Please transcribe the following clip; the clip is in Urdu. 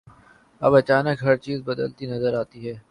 اب اچانک ہر چیز بدلتی نظر آتی ہے۔